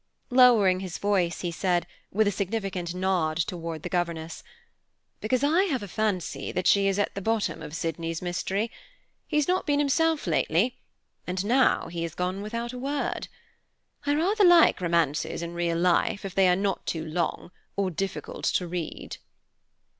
Lowering his voice he said, with a significant nod toward the governess, "Because I have a fancy that she is at the bottom of Sydney's mystery. He's not been himself lately, and now he is gone without a word. I rather like romances in real life, if they are not too long, or difficult to read."